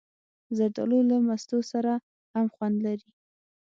زردالو له مستو سره هم خوند لري.